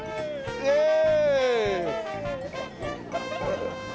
イエーイ。